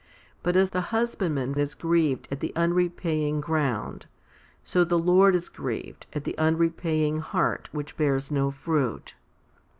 But as the husbandman is grieved at the unrepaying ground, so the Lord is grieved at the unrepaying heart which bears no fruit.